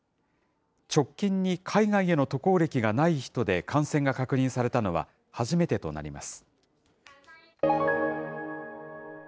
直近に海外への渡航歴がない人で感染が確認されたのは初めてとなります。